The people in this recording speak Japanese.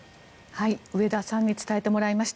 上田さんに伝えてもらいました。